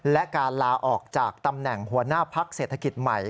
และการลาออกจากตำแหน่งหัวหน้าพักเศรษฐกิจใหม่